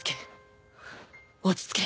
落ち着け。